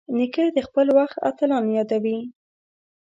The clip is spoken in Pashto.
نیکه د خپل وخت اتلان یادوي.